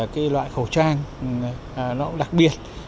cái loại khẩu trang nó cũng đặc biệt